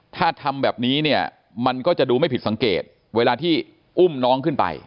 ถ้าทำแบบนี้เนี่ยมันก็จะดูไม่ผิดสังเกตเวลาที่อุ้มน้องขึ้นไป